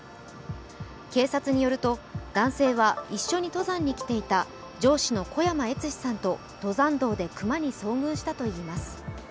警察によると、男性は一緒に登山に来ていた上司の小山悦志さんと登山道で熊に遭遇したといいます。